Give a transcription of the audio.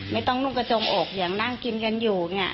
นุ่งกระจงอกอย่างนั่งกินกันอยู่เนี่ย